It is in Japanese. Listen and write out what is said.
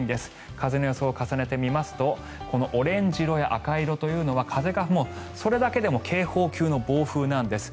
風の予想を重ねてみますとオレンジ色や赤色というのは風がそれだけでも警報級の暴風なんです。